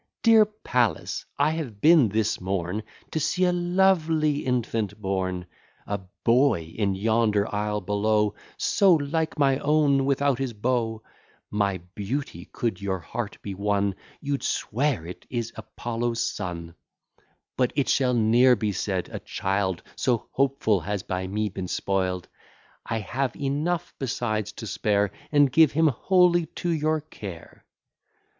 Dear Pallas, I have been this morn To see a lovely infant born: A boy in yonder isle below, So like my own without his bow, By beauty could your heart be won, You'd swear it is Apollo's son; But it shall ne'er be said, a child So hopeful, has by me been spoil'd: I have enough besides to spare, And give him wholly to your care.